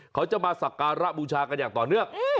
เขาจะมาสักการะบูชากันอย่างต่อเนื่อง